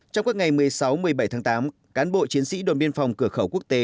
trong các ngày một mươi sáu một mươi bảy tháng tám cán bộ chiến sĩ đồn biên phòng cửa khẩu quốc tế